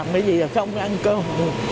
không có cầm cái gì là không có ăn cơm được